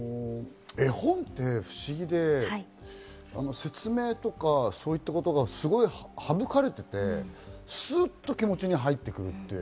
絵本って不思議で、説明とか、そういったことが省かれていて、すっと気持ちに入ってくる。